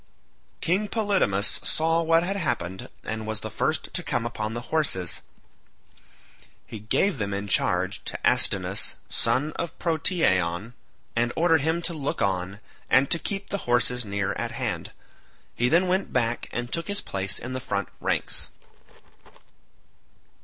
King Polydamas saw what had happened, and was the first to come up to the horses; he gave them in charge to Astynous son of Protiaon, and ordered him to look on, and to keep the horses near at hand. He then went back and took his place in the front ranks.